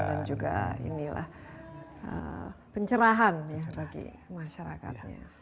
dan juga inilah pencerahan bagi masyarakat